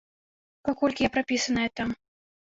Паколькі я прапісаная там.